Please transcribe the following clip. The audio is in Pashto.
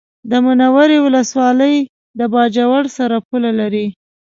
د منورې ولسوالي د باجوړ سره پوله لري